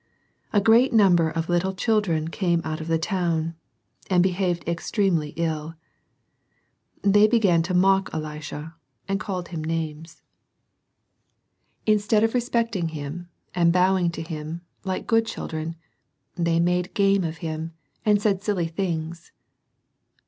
A great number of little children came out of the town, and behaved extremely ill. They began to mock Elisha, and called Yimkx TL axsi^^. \»s5^^»^ 4 SERMONS FOR CHILDREN. of respecting him, and bowing to him, like good children, they made game of him, and said silly things.